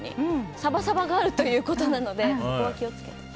サバサバガールということなのでそこは気を付けて。